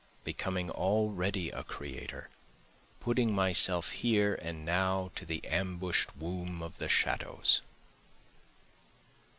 becoming already a creator, Putting myself here and now to the ambush'd womb of the shadows.